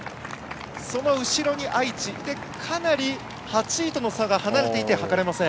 後ろに愛知かなり８位との差が離れていて計れません。